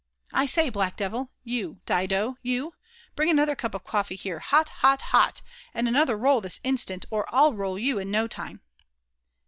i say, black deyll, — you Dido, you, rhring another cup of fiol&ehere, hot, hot, hot, and another roil, (his instant, or I'll roil you in no time."